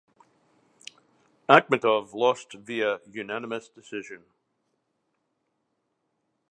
Akhmetov lost via unanimous decision.